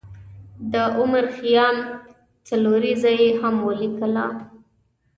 د عمر خیام څلوریځه یې هم ولیکله.